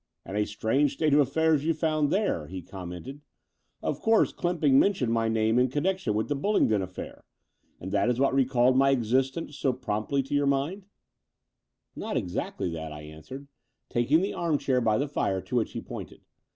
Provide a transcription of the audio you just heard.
"And a strange state of affairs you found there," he commented. "Of course Clymping mentioned my name in connection with the BuUingdon affair; and that is what recalled my existence so promptly to your mind?" no The Door of the Unreal Not exactly that," I answered, taking the arm chair by the fire, to which he pointed.